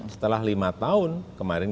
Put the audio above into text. setelah lima tahun kemarin